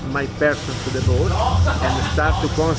mengambil orang orang saya ke perang